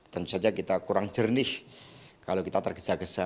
tentu saja kita kurang jernih kalau kita tergesa gesa